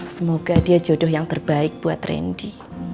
semoga dia jodoh yang terbaik buat randy